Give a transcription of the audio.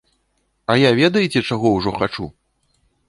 А я ведаеце чаго ўжо хачу?